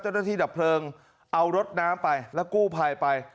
เจ้าหน้าที่ดับเพลิงเอารถน้ำไปและกู้ไภไป